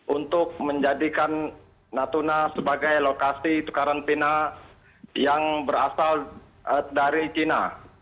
untuk menjadikan natuna sebagai lokasi karantina yang berasal dari cina